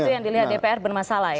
itu yang dilihat dpr bermasalah ya